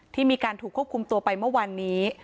ที่มีการถูกควบคุมตัวไปเมื่อวานนี้